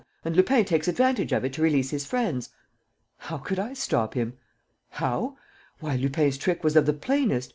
And Lupin takes advantage of it to release his friends. ..." "How could I stop him?" "How? Why, Lupin's trick was of the plainest.